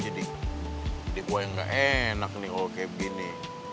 jadi gue yang enggak enak nih kalau kayak gini